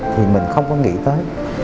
thì mình không có nghĩ tới